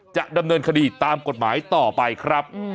จะดำเนินคดีตามกฎหมายต่อไปครับ